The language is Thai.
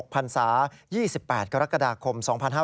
พันศา๒๘กรกฎาคม๒๕๕๙